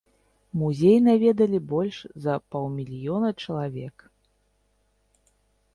Музей наведалі больш за паўмільёна чалавек.